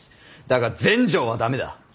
だが全成は駄目だ。